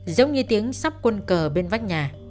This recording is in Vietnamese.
giống như tiếng sắp quân cờ bên đất